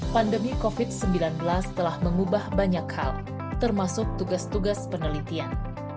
pandemi covid sembilan belas telah mengubah banyak hal termasuk tugas tugas penelitian